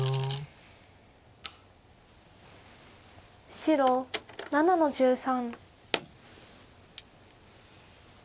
白７の十三。